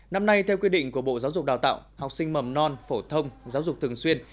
năm nay theo quy định của bộ giáo dục đào tạo học sinh mầm non phổ thông giáo dục thường xuyên